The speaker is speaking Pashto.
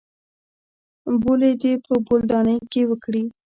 بولې دې په بولدانۍ کښې وکړې.